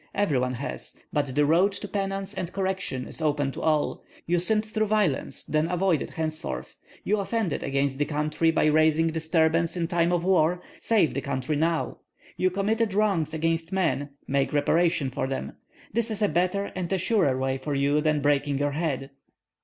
Every one has. But the road to penance and correction is open to all. You sinned through violence, then avoid it henceforth; you offended against the country by raising disturbance in time of war, save the country now; you committed wrongs against men, make reparation for them. This is a better and a surer way for you than breaking your head."